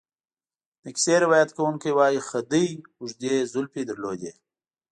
د کیسې روایت کوونکی وایي خدۍ اوږدې زلفې درلودې.